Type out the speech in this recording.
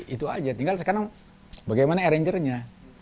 itu aja tinggal sekarang bagaimana arrangernya